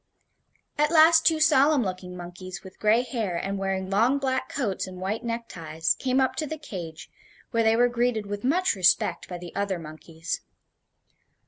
At last two solemn looking monkeys with gray hair, and wearing long black coats and white neckties, came up to the cage, where they were greeted with much respect by the other monkeys.